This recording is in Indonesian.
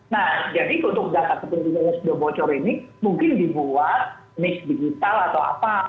nah jadi untuk data kependudukan yang sudah bocor ini mungkin dibuat miss digital atau apa